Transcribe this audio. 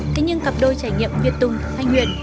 thế nhưng cặp đôi trải nghiệm nguyệt tùng thanh nguyệt